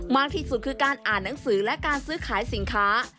มากที่สุดคือการอ่านหนังสือและการซื้อขายสินค้า